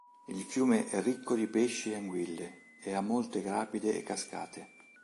Il fiume è ricco di pesci e anguille e ha molte rapide e cascate.